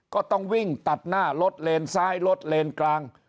ก็ต้องวิ่งตัดหน้ารถเลนซ้ายรถเลนกลาง